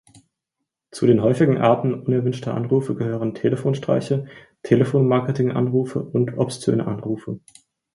Zu den häufigen Arten unerwünschter Anrufe gehören Telefonstreiche, Telefonmarketing-Anrufe und obszöne Anrufe.